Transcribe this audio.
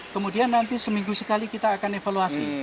kemudian nanti seminggu sekali kita akan evaluasi